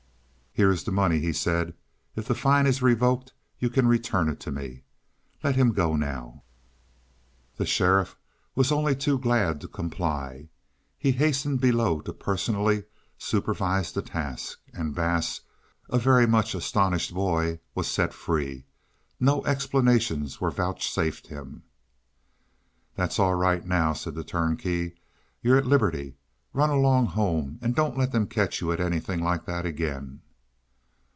"Here is the money," he said. "If the fine is revoked you can return it to me. Let him go now." The sheriff was only too glad to comply. He hastened below to personally supervise the task, and Bass, a very much astonished boy, was set free. No explanations were vouchsafed him. "That's all right now," said the turnkey. "You're at liberty. Run along home and don't let them catch you at anything like that again."